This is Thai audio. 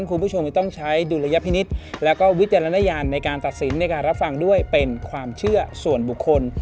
คุณผู้ชมจะต้องใช้ดุลยพินิษฐ์แล้วก็วิจารณญาณในการตัดสินในการรับฟังด้วยเป็นความเชื่อส่วนบุคคล